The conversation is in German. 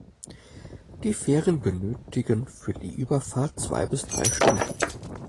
Die Fähren benötigen für die Überfahrt zwei bis drei Stunden.